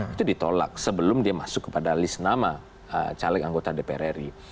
itu ditolak sebelum dia masuk kepada list nama caleg anggota dpr ri